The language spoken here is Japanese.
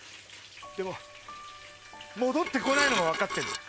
でも戻って来ないのが分かってんだよ。